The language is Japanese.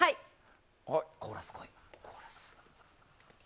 コーラス来い。